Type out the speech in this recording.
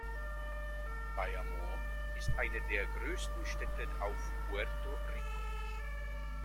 Bayamón ist eine der größten Städte auf Puerto Rico.